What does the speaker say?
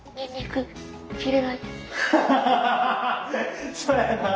ハハハそやな